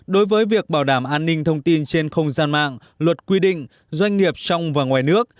đối với việc bảo đảm an ninh thông tin trên không gian mạng luật quy định doanh nghiệp trong và ngoài nước